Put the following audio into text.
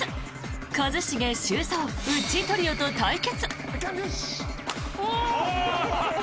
一茂、修造、ウッチートリオと対決。